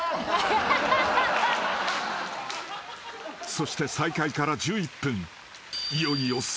［そして再会から１１分］